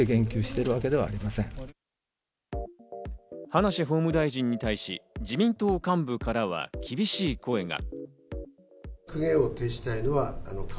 葉梨法務大臣に対し、自民党幹部からは厳しい声が。